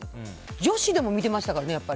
女子でも見ていましたからね。